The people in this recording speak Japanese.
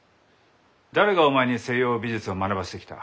誰がお前に西洋美術を学ばせてきた？